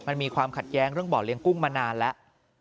มันมีความขัดแย้งเรื่องบ่อเลี้ยกุ้งมานานแล้ว